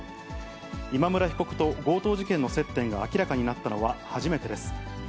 今村被告と強盗事件の接点が明らかになったのは初めてです。